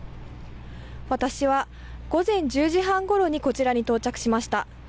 私は午前１０時半ごろにこちらに到着しました。